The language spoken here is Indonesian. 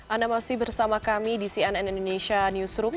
anda masih bersama kami di cnn indonesia newsroom